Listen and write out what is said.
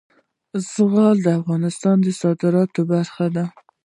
زغال د افغانستان د صادراتو برخه ده.